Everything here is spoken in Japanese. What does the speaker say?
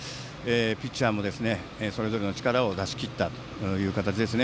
ピッチャーもそれぞれの力を出しきったという形ですね。